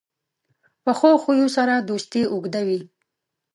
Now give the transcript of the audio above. پخو خویو سره دوستي اوږده وي